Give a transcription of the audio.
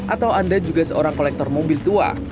atau anda juga seorang kolektor mobil tua